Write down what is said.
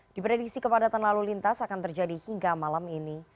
diprediksi kepadatan lalu lintas akan terjadi hingga malam ini